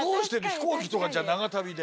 飛行機とかじゃあ長旅で。